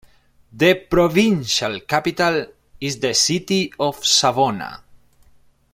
The provincial capital is the city of Savona.